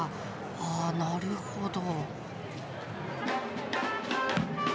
あなるほど。